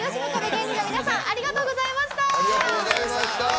芸人の皆さんありがとうございました。